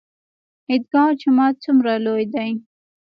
عیدګاه جومات څومره لوی دی؟